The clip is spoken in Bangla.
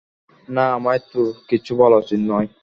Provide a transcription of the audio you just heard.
না, আমায় তোর কিচ্ছু বলা উচিত নয়।